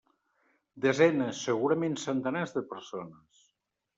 Desenes, segurament centenars de persones.